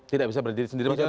tidak bisa berdiri sendiri